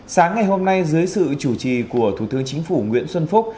sáng ngày hôm nay dưới sự chủ trì của thủ tướng chính phủ nguyễn xuân phúc